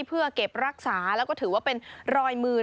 เพื่อเก็บรักษาแล้วก็ถือว่าเป็นรอยมือ